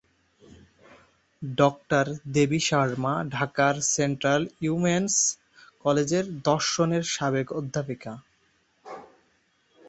ড: দেবী শর্মা ঢাকার central women's কলেজের দর্শনের সাবেক অধ্যাপিকা।